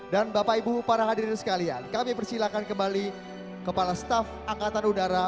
dan bapak ibu para hadirin sekalian kami persilahkan kembali kepala staf angkatan udara